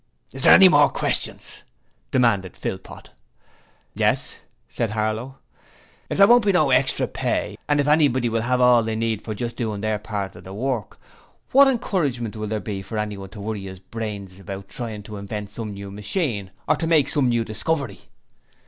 'Is there any more questions?' demanded Philpot. 'Yes,' said Harlow. 'If there won't be no extry pay and if anybody will have all they need for just doing their part of the work, what encouragement will there be for anyone to worry his brains out trying to invent some new machine, or make some new discovery?'